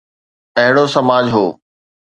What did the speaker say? اهڙو سماج هو.